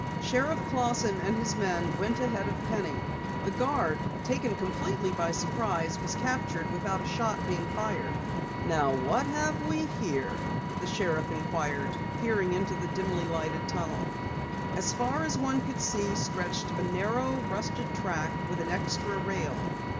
Sheriff Clausson and his men went ahead of Penny. The guard, taken completely by surprise, was captured without a shot being fired. "Now what have we here?" the sheriff inquired, peering into the dimly lighted tunnel. As far as one could see stretched a narrow, rusted track with an extra rail.